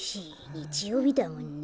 にちようびだもんね。